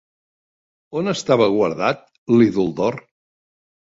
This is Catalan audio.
On estava guardat l'ídol d'or?